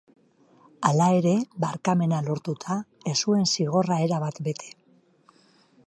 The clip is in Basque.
Hala ere, barkamena lortuta, ez zuen zigorra erabat bete.